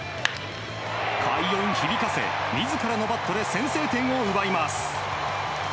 快音響かせ、自らのバットで先制点を奪います。